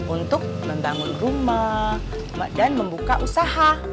untuk membangun rumah dan membuka usaha